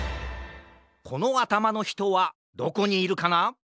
このあたまのひとはどこにいるかな？